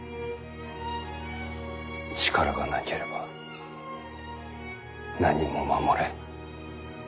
力がなければ何も守れん。